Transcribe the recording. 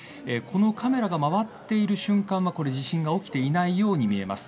カメラが回っている瞬間は地震が起きていないように見えます。